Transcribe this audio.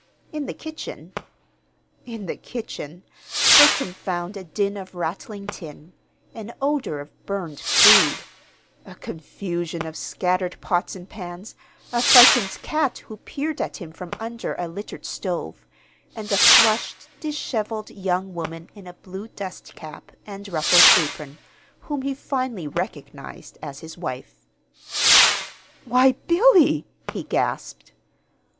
In the kitchen in the kitchen Bertram found a din of rattling tin, an odor of burned food , a confusion of scattered pots and pans, a frightened cat who peered at him from under a littered stove, and a flushed, disheveled young woman in a blue dust cap and ruffled apron, whom he finally recognized as his wife. "Why, Billy!" he gasped.